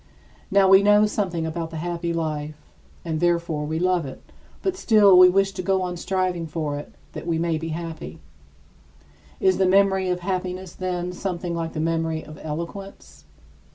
Now we know something about the happy life and therefore we love it, but still we wish to go on striving for it that we may be happy. Is the memory of happiness, then, something like the memory of eloquence?